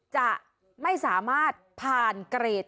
จะไม่สามารถผ่านเกรด